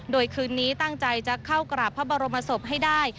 โดยคืนนี้ตั้งใจจะเข้ากราบพระบรมศพให้ได้